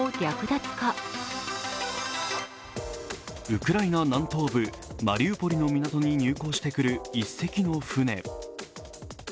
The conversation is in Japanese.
ウクライナ南東部マリウポリに入港してくる１隻の船。